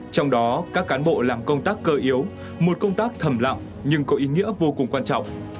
trong đó các cán bộ làm công tác cơ yếu một công tác thầm lặng nhưng có ý nghĩa vô cùng quan trọng